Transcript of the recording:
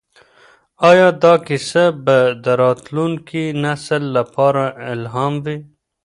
ایا دا کیسه به د راتلونکي نسل لپاره الهام وي؟